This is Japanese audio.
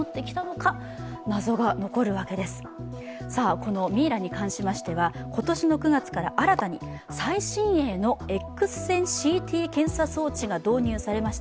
このミイラに関しましては今年の９月から新たに最新鋭のＸ線ＣＴ検査装置が導入されました。